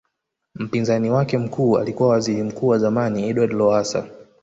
Mpinzani wake mkuu alikuwa Waziri Mkuu wa zamani Edward Lowassa